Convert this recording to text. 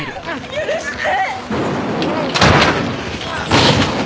許して！